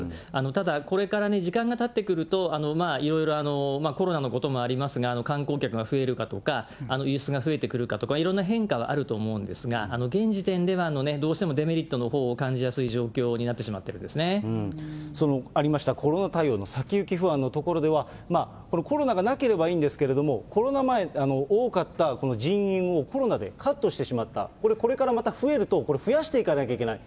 ただ、これからね、時間がたってくると、いろいろコロナのこともありますが、観光客が増えるかとか、輸出が増えてくるとか、いろんな変化はあると思うんですが、現時点では、どうしてもデメリットのほうを感じやすい状況になってしまっていありましたコロナ対応の先行き不安のところでは、このコロナがなければいいんですけども、コロナ前、多かったこの人員を、コロナでカットしてしまった、これ、これからまた増えると、増やしていかなきゃいけない。